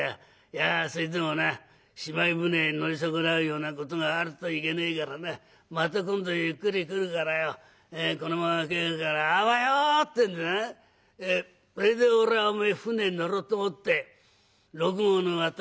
いやそれでもなしまい舟へ乗り損なうようなことがあるといけねえからなまた今度ゆっくり来るからよこのまま帰るからあばよってんでなそれで俺はおめえ舟に乗ろうと思って六郷の渡しまで来たんだな。